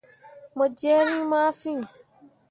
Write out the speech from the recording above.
Mo jerre rĩĩ ma fîi.